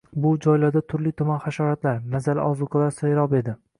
bu joylarda turli-tuman hasharotlar — mazali ozuqalar serob edi.